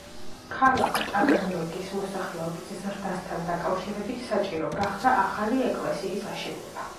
ქალაქ ტაგანროგის მოსახლეობის ზრდასთან დაკავშირებით საჭირო გახდა ახალი ეკლესიის აშენება.